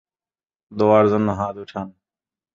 দোয়ার জন্য হাত উঠান।